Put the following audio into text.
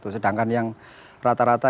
sedangkan yang rata rata